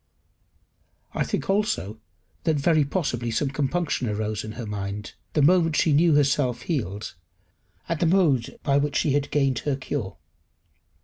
I think also that very possibly some compunction arose in her mind, the moment she knew herself healed, at the mode in which she had gained her cure.